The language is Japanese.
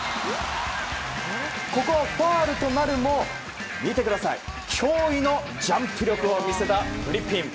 ここはファウルとなるも見てください、驚異のジャンプ力を見せたフリッピン。